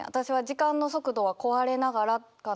「時間の速度は壊れながら」。